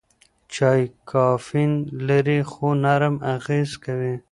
چای کافین لري خو نرم اغېز کوي.